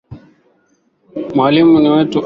Mwalimu ni wetu ama wenu.